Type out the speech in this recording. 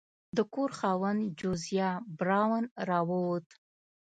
د کور خاوند جوزیا براون راووت.